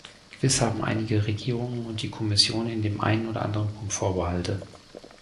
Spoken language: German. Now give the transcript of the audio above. Gewiss haben einige Regierungen und die Kommission in dem einen oder anderen Punkt Vorbehalte.